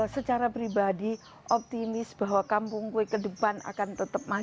secara pribadi optimis bahwa kampung kue ke depan akan tetap maju